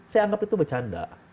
saya anggap itu bercanda